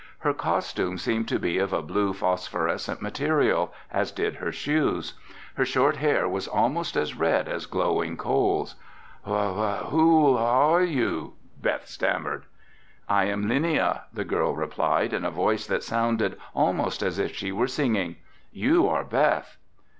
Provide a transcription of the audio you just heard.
Her costume seemed to be of a blue phosphorescent material, as did her shoes. Her short hair was almost as red as glowing coals. "Wh—who are you?" Beth stammered. "I am Linnia," the girl replied in a voice that sounded almost as if she were singing. "You are Beth."